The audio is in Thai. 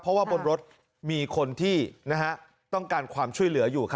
เพราะว่าบนรถมีคนที่ต้องการความช่วยเหลืออยู่